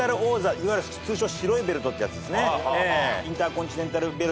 通称白いベルトってやつですね。